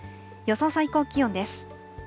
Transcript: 予想最高気温です。